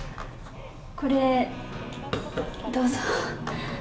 これ、どうぞ。